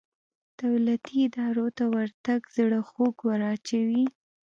دولتي ادارو ته ورتګ زړه خوږ وراچوي.